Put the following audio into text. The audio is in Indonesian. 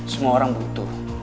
semua orang butuh